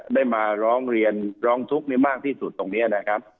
ได้มาร้องเรียนร้องทุกข์มากที่สุดตรงนี้นะครับ